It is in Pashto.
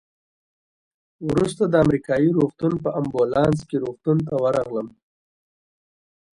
وروسته د امریکایي روغتون په امبولانس کې روغتون ته ورغلم.